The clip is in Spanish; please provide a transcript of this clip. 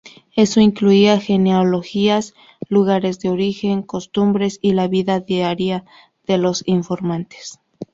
Eso incluía genealogías, lugares de origen, costumbres y la vida diaria de los informantes.